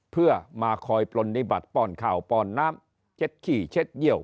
เพื่อมาคอยปลนิบัติป้อนข้าวป้อนน้ำเช็ดขี้เช็ดเยี่ยว